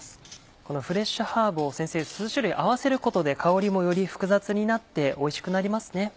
このフレッシュハーブを先生数種類合わせることで香りもより複雑になっておいしくなりますね。